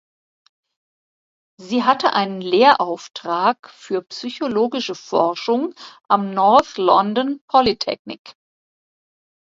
Sie hatte einen Lehrauftrag für psychologische Forschung am North London Polytechnic.